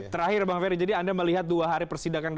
terakhir bang ferry jadi anda melihat dua hari persidangan